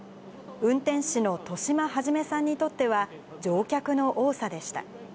運転士の戸嶋始さんにとっては、乗客の多さでした。